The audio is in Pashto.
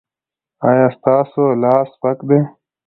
ایا ستاسو لاس سپک دی؟